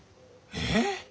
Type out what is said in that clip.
えっ！？